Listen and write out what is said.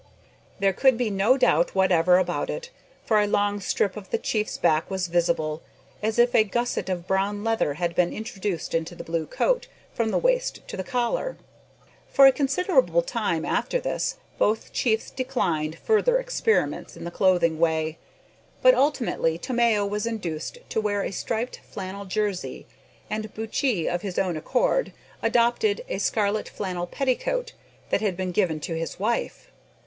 There could be no doubt whatever about that, for a long strip of the chief's back was visible, as if a gusset of brown leather had been introduced into the blue coat, from the waist to the collar. For a considerable time after this, both chiefs declined further experiments in the clothing way, but ultimately Tomeo was induced to wear a striped flannel jersey, and Buttchee, of his own accord, adopted a scarlet flannel petticoat that had been given to his wife.